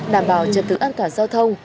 đảm bảo trật tự an toàn giao thông